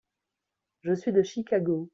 Je suis de Chicago.